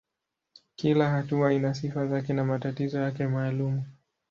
Kila hatua ina sifa zake na matatizo yake maalumu.